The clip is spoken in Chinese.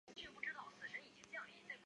这种关系规定首先出现在塞姆勒那里。